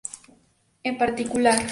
En particular.